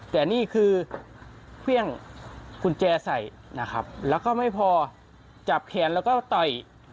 แต่นี่คือเครื่องกุญแจใส่นะครับแล้วก็ไม่พอจับแขนแล้วก็ต่อย